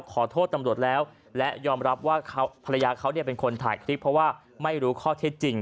ขอโทษตำรวจแล้วและยอมรับว่าภรรยาเขาเป็นคนถ่ายคลิปเพราะว่าไม่รู้ข้อเท็จจริง